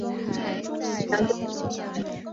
一定要想个办法